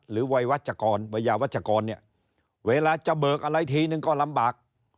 วัยวัชกรวัยยาวัชกรเนี่ยเวลาจะเบิกอะไรทีนึงก็ลำบาก